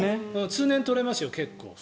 通年採れますよ、結構。